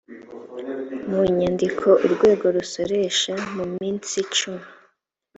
mu nyandiko urwego rusoresha mu minsi cumi